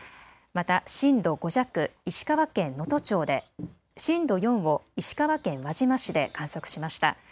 また震度５弱、石川県能登町で、震度４を石川県輪島市で観測しました。